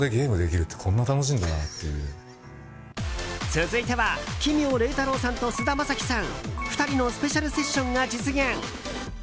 続いては奇妙礼太郎さんと菅田将暉さん２人のスペシャルセッションが実現。